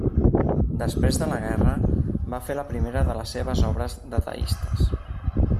Després de la guerra, va fer la primera de les seves obres dadaistes.